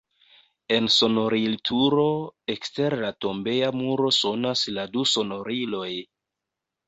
En sonorilturo ekster la tombeja muro sonas la du sonoriloj.